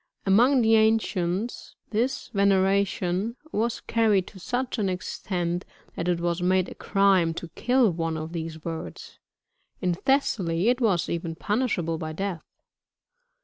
Among the ancients, this veneration was carried to such an extent, that it was made a crime to kill one of these birds ; in Thessaly it was even punishable by death.